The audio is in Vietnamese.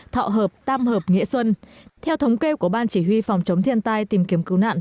thọ hợp tam hợp nghĩa xuân theo thống kê của ban chỉ huy phòng chống thiên tai tìm kiếm cứu nạn